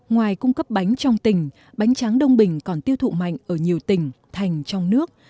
ngoài cung cấp bánh trong tỉnh bánh tráng đông bình còn tiêu thụ mạnh ở nhiều tỉnh thành trong nước